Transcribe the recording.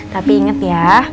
tapi inget ya